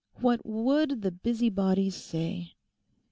What would the busybodies say?